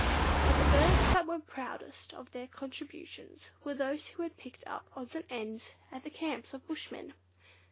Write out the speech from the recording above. But the birds that were proudest of their contributions were those who had picked up odds and ends at the camps of bushmen.